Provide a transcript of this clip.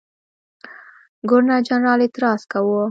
ګورنرجنرال اعتراض کاوه.